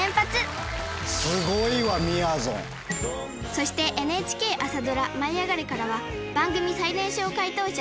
そしてＮＨＫ朝ドラ『舞いあがれ！』からは番組最年少解答者